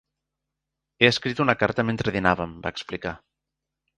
"He escrit una carta mentre dinàvem", va explicar.